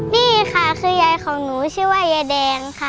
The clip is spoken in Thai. นี่ค่ะคือยายของหนูชื่อว่ายายแดงค่ะ